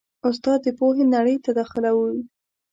استاد د پوهې نړۍ ته داخلوي.